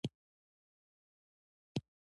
دوی د افغانستان ډبرې هم اخلي.